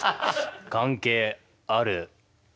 関係あるよ。